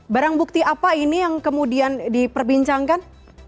barang bukti apa ini yang kemudian diperbincangkan